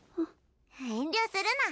遠慮するな。